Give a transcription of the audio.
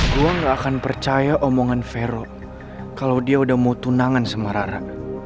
gue gak akan percaya omongan vero kalau dia udah mau tunangan sama rara